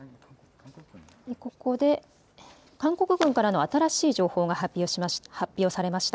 ここで韓国軍からの新しい情報が発表されました。